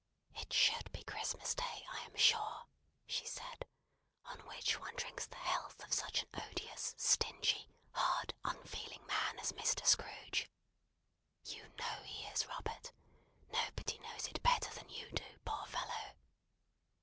"It should be Christmas Day, I am sure," said she, "on which one drinks the health of such an odious, stingy, hard, unfeeling man as Mr. Scrooge. You know he is, Robert! Nobody knows it better than you do, poor fellow!"